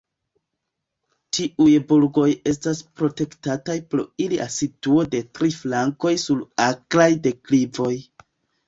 Tiuj burgoj estas protektataj pro ilia situo de tri flankoj sur akraj deklivoj.